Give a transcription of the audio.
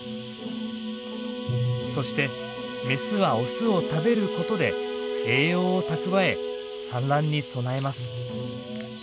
そしてメスはオスを食べることで栄養を蓄え産卵に備えます。